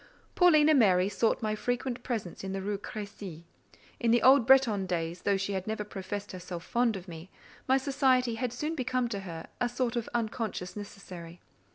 Paulina Mary sought my frequent presence in the Rue Crécy. In the old Bretton days, though she had never professed herself fond of me, my society had soon become to her a sort of unconscious necessary.